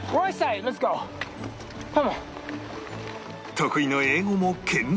得意の英語も健在